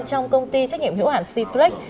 trong công ty trách nhiệm hiệu hạn c flex